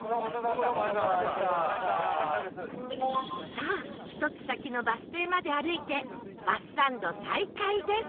さあ１つ先のバス停まで歩いてバスサンド再開です